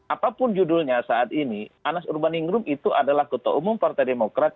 apapun judulnya saat ini anas urbaningrum itu adalah ketua umum partai demokrat